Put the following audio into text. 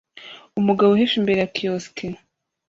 Umugabo uhisha imbere ya kiosk